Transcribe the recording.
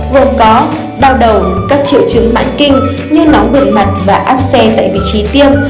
gồm có đau đầu các triệu chứng mãn kinh như nó bề mặt và áp xe tại vị trí tiêm